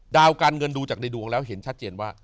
ดาวการเงินดูจากในดวงแล้วเห็นชัดเจนว่า